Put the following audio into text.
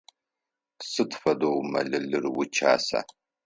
Сыд фэдэу мэлылыр уикӏаса?